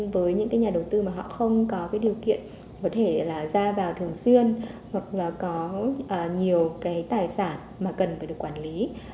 với những nhà đầu tư mà họ không có điều kiện có thể ra vào thường xuyên hoặc là có nhiều tài sản mà cần phải được quản lý